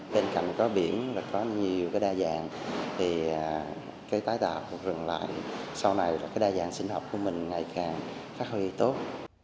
bên cạnh có biển và có nhiều đa dạng thì tái tạo rừng lại sau này là đa dạng sinh học của mình ngày càng phát huy tốt